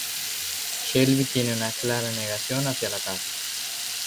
Shelby tiene una clara negación hacia la casa.